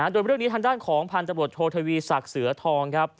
โดยเรื่องนี้ทางด้านของพันธบรวจโททวีศักดิ์เสือทองครับ